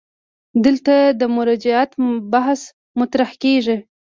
دلته د مرجعیت بحث مطرح کېږي.